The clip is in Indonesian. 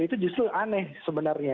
itu justru aneh sebenarnya